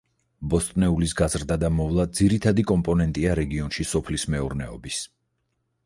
ბოსტნეულის გაზრდა და მოვლა, ძირითადი კომპონენტია რეგიონში სოფლის მეურნეობის.